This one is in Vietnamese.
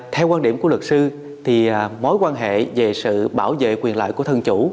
theo quan điểm của luật sư mối quan hệ về sự bảo vệ quyền lợi của thân chủ